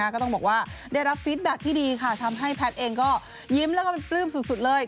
ก็ต้องบอกว่าได้รับฟิตแบ็คที่ดีค่ะทำให้แพทย์เองก็ยิ้มแล้วก็เป็นปลื้มสุดเลย